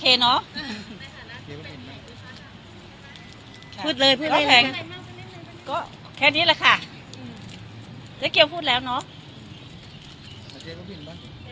เจ๊พัดบินนะคะพูดเลยพูดเลยแค่นี้แหละค่ะเจ๊เกี๊วพูดแล้วเนอะ